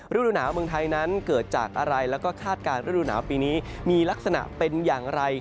ฤดูหนาวเมืองไทยนั้นเกิดจากอะไรแล้วก็คาดการณ์ฤดูหนาวปีนี้มีลักษณะเป็นอย่างไร